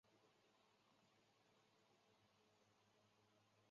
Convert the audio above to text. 圣劳里教堂是一座位于芬兰洛赫亚的教堂。